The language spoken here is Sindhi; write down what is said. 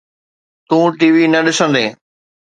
تون ٽي وي نه ڏسندين؟